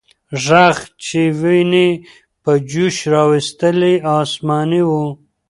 ږغ چې ويني په جوش راوستلې، آسماني و.